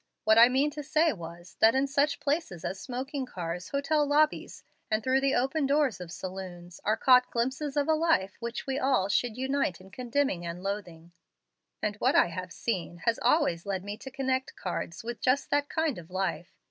What I meant to say was, that in such places as smoking cars, hotel lobbies, and through the open doors of saloons, are caught glimpses of a life which we all should unite in condemning and loathing; and what I have seen has always led me to connect cards with just that kind of life.